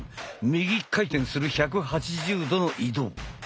右回転する１８０度の移動。